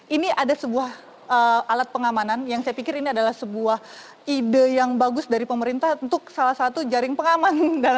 ini ada sebuah alat pengamanan yang saya pikir ini adalah sebuah ide yang bagus dari pemerintah untuk salah satu jaring pengaman